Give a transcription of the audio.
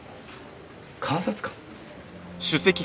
監察官？